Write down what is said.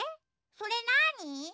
それなに？